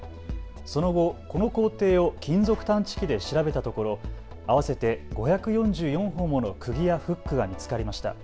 その後、この校庭を金属探知機で調べたところ合わせて５４４本のくぎやフックが見つかりました。